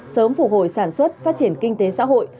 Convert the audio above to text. sớm phục hồi sản xuất phát triển kinh tế xã hội